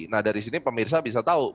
nah dari sini pemirsa bisa tahu